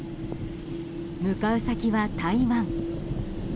向かう先は台湾。